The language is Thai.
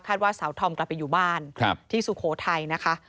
ว่าสาวธอมกลับไปอยู่บ้านที่สุโขทัยนะคะ